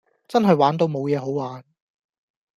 真係玩到無野好玩